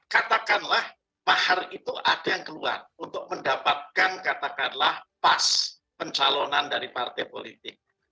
katakanlah mahar itu ada yang keluar untuk mendapatkan katakanlah pas pencalonan dari partai politik